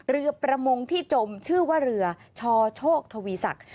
เรือประมงที่จมชื่อว่าเรือชอโชคทวีศักดิ์